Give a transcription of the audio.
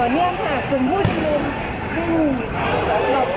สวัสดีครับ